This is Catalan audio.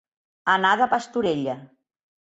Anar de pastorella.